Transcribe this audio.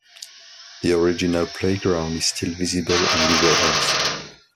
The original playground is still visible on Google Earth.